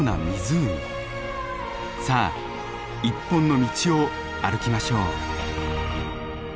さあ一本の道を歩きましょう。